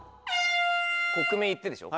国名言ってでしょ？